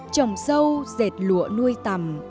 trồng sâu dệt lụa nuôi tằm